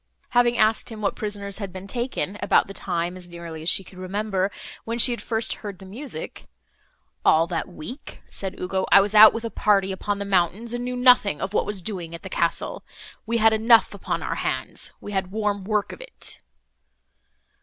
Having asked him what prisoners had been taken, about the time, as nearly as she could remember, when she had first heard the music, "All that week," said Ugo, "I was out with a party, upon the mountains, and knew nothing of what was doing at the castle. We had enough upon our hands, we had warm work of it."